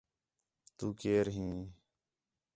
تُو کئیر ہیں؟